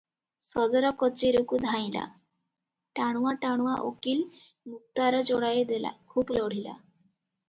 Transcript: ସଦର କଚେରୀକୁ ଧାଇଁଲା, ଟାଣୁଆ ଟାଣୁଆ ଓକିଲ ମୁକ୍ତାର ଯୋଡ଼ାଏ ଦେଲା, ଖୁବ୍ ଲଢ଼ିଲା ।